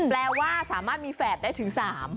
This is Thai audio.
แปลว่าสามารถมีแฝดได้ถึง๓